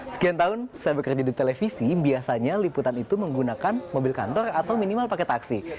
sekian tahun saya bekerja di televisi biasanya liputan itu menggunakan mobil kantor atau minimal pakai taksi